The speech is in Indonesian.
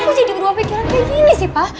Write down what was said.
apa jadi berpikiran begini pak